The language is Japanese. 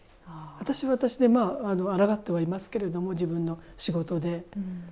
私は私であらがってはいますけれども、自分の仕事で。